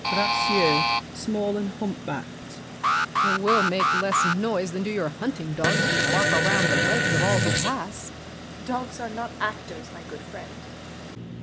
GRACIEUX (small and hump backed). We'll make less noise than do your hunting dogs Who bark around the legs of all who pass! LACKEY. Dogs are not actors, my good friend.